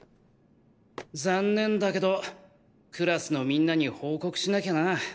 残念だけどクラスのみんなに報告しなきゃな。